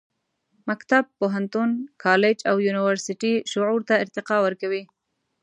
مکتب، پوهنتون، کالج او یونیورسټي شعور ته ارتقا ورکوي.